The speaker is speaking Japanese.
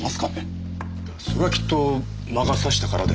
それはきっと魔が差したからで。